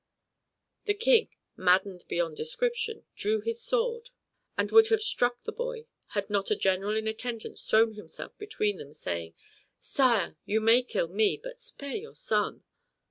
The King, maddened beyond description, drew his sword, and would have struck the boy had not a general in attendance thrown himself between them, exclaiming: "Sire, you may kill me, but spare your son."